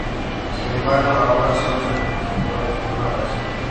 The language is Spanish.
Sin embargo la obra solo se representó en una ocasión.